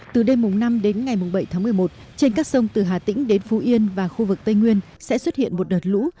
từ đêm năm đến ngày bảy tháng một mươi một trên các sông từ hà tĩnh đến phú yên và khu vực tây nguyên sẽ xuất hiện một đợt lũ